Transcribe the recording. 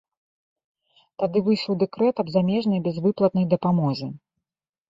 Тады выйшаў дэкрэт аб замежнай бязвыплатнай дапамозе.